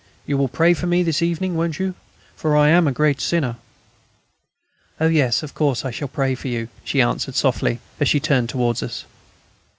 You will pray for me this evening, won't you? for I am a great sinner." "Oh, yes, of course I shall pray for you," she answered, softly, as she turned towards us.